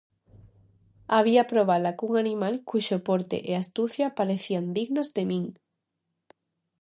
Había probala cun animal cuxo porte e astucia parecían dignos de min.